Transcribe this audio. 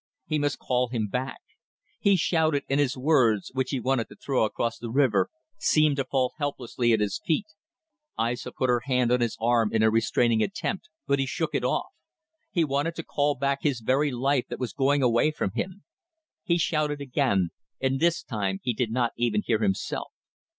He must call him back. He shouted, and his words, which he wanted to throw across the river, seemed to fall helplessly at his feet. Aissa put her hand on his arm in a restraining attempt, but he shook it off. He wanted to call back his very life that was going away from him. He shouted again and this time he did not even hear himself.